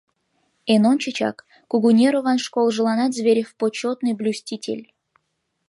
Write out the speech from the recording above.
Эн ончычак, Кугунерован школжыланат Зверев почётный блюститель.